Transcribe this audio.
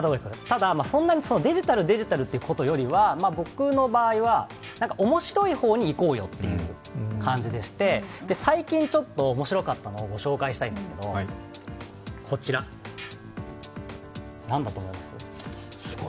ただそんなにデジタル、デジタルというよりは僕の場合は面白い方に行こうよという感じでして最近面白かったのをご紹介したいんですけど、こちら、なんだと思います？